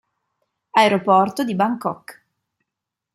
Aeroporto di Bangkok